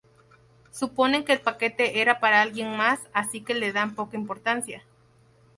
Suponen que el paquete era para alguien más así que le dan poca importancia.